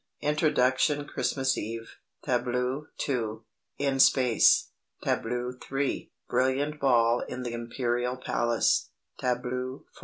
INTRODUCTION: CHRISTMAS EVE TABLEAU 2. IN SPACE TABLEAU 3. BRILLIANT BALL IN THE IMPERIAL PALACE TABLEAU 4.